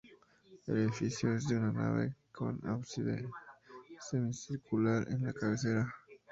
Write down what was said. El edificio es de una nave con ábside semicircular en la cabecera.